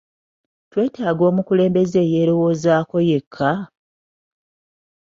Twetaaga omukulembeze eyerowozaako yekka?